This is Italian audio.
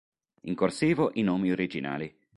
In "corsivo" i nomi originali.